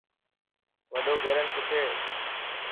وڏو گيلين ڪٿي.